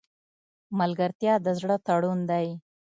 ملګرتیا د زړه تړون دی.